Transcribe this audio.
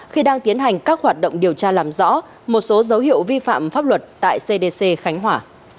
khi đang tiến hành các hoạt động điều tra làm rõ một số dấu hiệu vi phạm pháp luật tại cdc khánh hòa